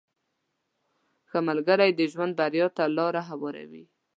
• ښه ملګری د ژوند بریا ته لاره هواروي.